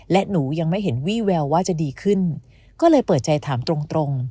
และหนูยังไม่เห็นวี่แววว่าจะดีขึ้นก็เลยเปิดใจถามตรงตรง